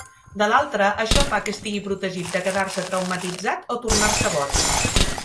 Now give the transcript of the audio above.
De l'altra, això fa que estigui protegit de quedar-se traumatitzat o tornar-se boig.